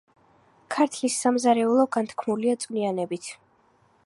ქართლის სამზარეულო განთქმულია წვნიანებით